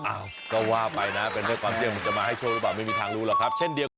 อ้าวก็ว่าไปนะเป็นเรื่องมันจะมาให้โชว์หรือเปล่าไม่มีทางรู้หรอกครับ